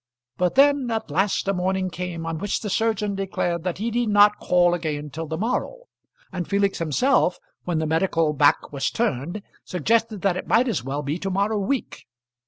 But then at last a morning came on which the surgeon declared that he need not call again till the morrow; and Felix himself, when the medical back was turned, suggested that it might as well be to morrow week.